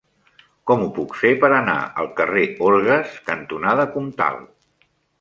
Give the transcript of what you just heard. Com ho puc fer per anar al carrer Orgues cantonada Comtal?